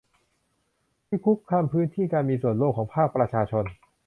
ที่คุกคามพื้นที่การมีส่วนร่วมของภาคประชาชน